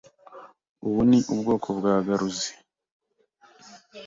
Ubu ni ubwoko bwa garuzi.